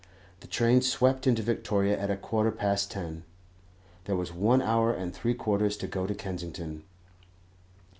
The train swept into Victoria at a quarter past ten. There was one hour and three quarters to go to Kensington.